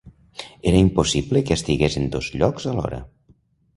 Era impossible que estigués en docs llocs alhora.